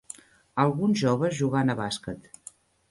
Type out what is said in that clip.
alguns joves jugant a bàsquet